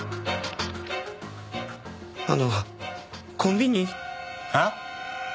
あのコンビニ。はあ？